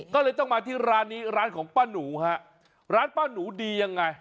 ก็เลยต้องมาที่ร้านนี้ร้านของป้าหนูฮะร้านป้าหนูดียังไง